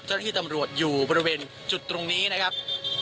ที่ตำรวจอยู่บริเวณจุดตรงนี้นะครับ